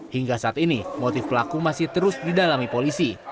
hingga saat ini motif pelaku masih terus didalami polisi